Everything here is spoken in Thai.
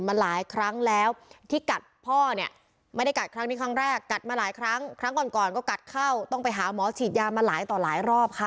งมาหลายครั้งครั้งก่อนก่อนก็กัดเข้าต้องไปหาหมอฉีดยามาหลายต่อหลายรอบค่ะ